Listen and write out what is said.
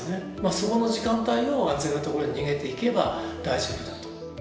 そこの時間帯を安全な所へ逃げていけば大丈夫だと。